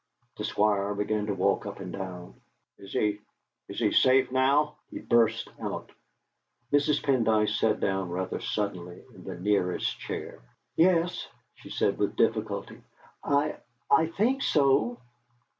The Squire began to walk up and down. "Is he is he safe now?" he burst out. Mrs. Pendyce sat down rather suddenly in the nearest chair. "Yes," she said with difficulty, "I I think so."